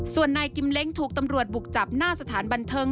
ส่วนนายกิมเล้งถูกตำรวจบุกจับหน้าสถานบันเทิง